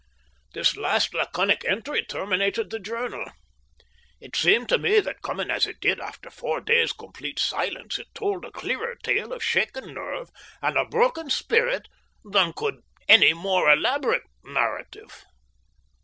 This last laconic entry terminated the journal. It seemed to me that, coming as it did after four days' complete silence, it told a clearer tale of shaken nerve and a broken spirit than could any more elaborate narrative.